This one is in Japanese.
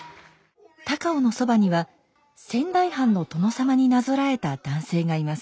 高尾のそばには仙台藩の殿様になぞらえた男性がいます。